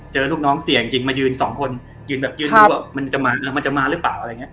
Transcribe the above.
เจอลูกน้องเสี่ยงจริงมายืนสองคนยืนรู้ว่ามันจะมาหรืป่าว